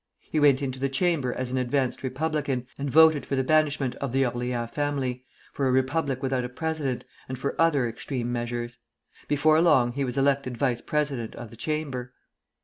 He went into the Chamber as an Advanced Republican, and voted for the banishment of the Orleans family, for a republic without a president, and for other extreme measures. Before long he was elected vice president of the Chamber.